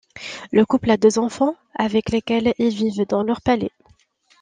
Le couple a deux enfants, avec lesquels ils vivent dans leur palais.